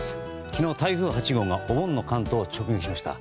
昨日、台風８号がお盆の関東を直撃しました。